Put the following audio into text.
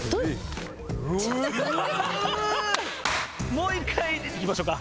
もう一回いきましょうか。